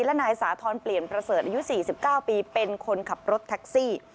และนายสาธรณ์เปลี่ยนประเสริฐอายุ๔๙ปีเป็นคนขับรถแท็กซี่